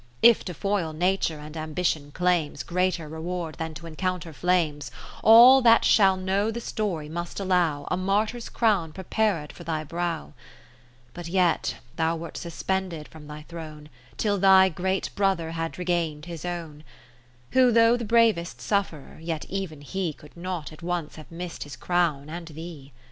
If to foil Nature and Ambition claims Greater reward than to encounter flames, All that shall know the story must allow A martyr's crown prepared for thy brow; But yet thou wert suspended from thy throne, Till thy Great Brother had regain'd his own : Who though the bravest suff'rer, yet even He Could not at once have mist his crown and thee.